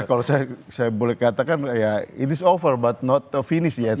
kalau saya boleh katakan ya it is over but not of finish ya